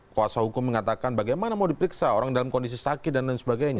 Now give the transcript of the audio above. kuasa hukum mengatakan bagaimana mau diperiksa orang dalam kondisi sakit dan lain sebagainya